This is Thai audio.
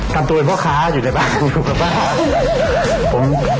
ทำตัวเป็นพ่อค้าอยู่ในบ้านถูกหรือเปล่า